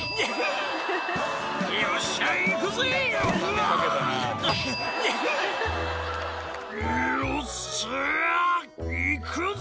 「よっしゃ行くぜ！」